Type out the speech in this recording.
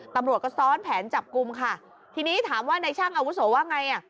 ตำรวจก็ซ้อนแผนจับกลุ่มค่ะทีนี้ถามว่าในช่างอาวุโสว่าไงอ่ะ